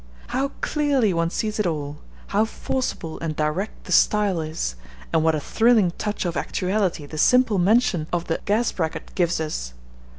How clearly one sees it all! How forcible and direct the style is! And what a thrilling touch of actuality the simple mention of the 'gas bracket' gives us!